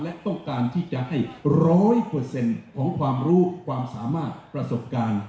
และต้องการที่จะให้ร้อยเปอร์เซ็นต์ของความรู้ความสามารถประสบการณ์